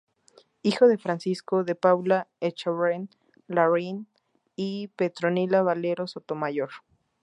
Hijo de Francisco de Paula Echaurren Larraín y Petronila Valero Sotomayor.